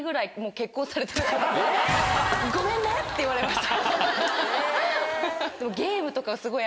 ごめんねって言われました。